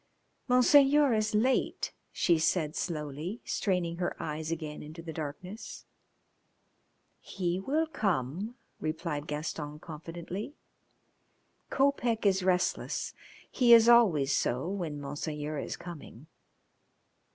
"Monseigneur is late," she said slowly, straining her eyes again into the darkness. "He will come," replied Gaston confidently. "Kopec is restless, he is always so when Monseigneur is coming."